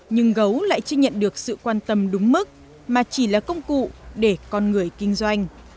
nhưng gấu lại chưa nhận được sự quan tâm đúng mức mà chỉ là công cụ để con người kinh doanh